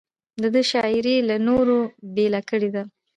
د ده شاعري له نورو بېله کړې ده.